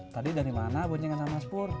tadi dari mana bonjen kenal mas pur